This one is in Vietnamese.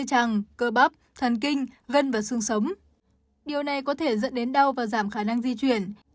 cơ bắp thần kinh gân và xương sống điều này có thể dẫn đến đau và giảm khả năng di chuyển